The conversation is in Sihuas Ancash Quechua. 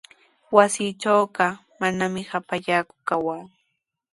Wasiitrawqa manami hapallaaku kawaa.